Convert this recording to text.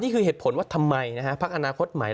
นี่คือเหตุผลว่าทำไมนะฮะพักอนาคตใหม่